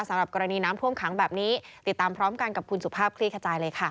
สำหรับกรณีน้ำท่วมขังแบบนี้ติดตามพร้อมกันกับคุณสุภาพคลี่ขจายเลยค่ะ